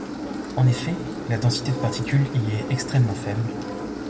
En effet, la densité de particules y est extrêmement faible.